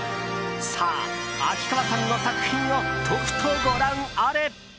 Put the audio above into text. さあ、秋川さんの作品をとくとご覧あれ！